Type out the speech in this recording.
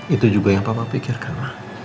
itu juga yang papa pikirkan